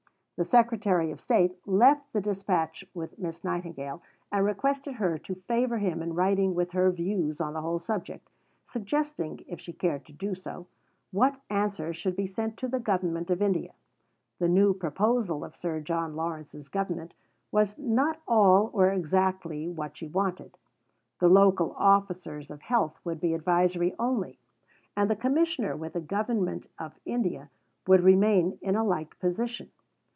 The Secretary of State left the dispatch with Miss Nightingale, and requested her to favour him in writing with her views on the whole subject, suggesting, if she cared to do so, what answer should be sent to the Government of India. The new proposal of Sir John Lawrence's Government was not all or exactly what she wanted. The local Officers of Health would be advisory only; and the Commissioner with the Government of India would remain in a like position.